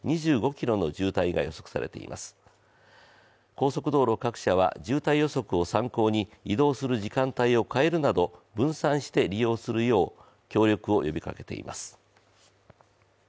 高速道路各社は渋滞予測を参考に移動する時間帯を変えるなど分散して利用するよう協力を呼びかけています。